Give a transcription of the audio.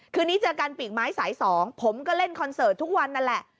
คืนนี้เจอกันปีกไม้สาย๒ผมก็เล่นคอนเสิร์ตทุกวันนั่นแหละ